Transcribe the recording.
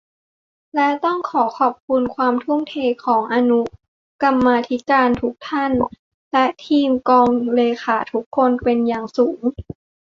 และต้องขอขอบคุณความทุ่มเทของอนุกรรมาธิการทุกท่าน และ ทีมงานกองเลขาทุกคนเป็นอย่างสูง